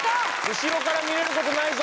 後ろから見れることないぞ。